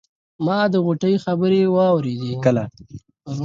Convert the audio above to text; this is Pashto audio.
ما د غوټۍ خبرې واورېدې.